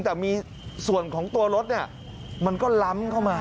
แต่มีส่วนของตัวรถเนี่ยมันก็ล้ำเข้ามา